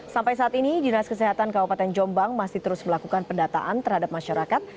sampai saat ini dinas kesehatan kabupaten jombang masih terus melakukan pendataan terhadap masyarakat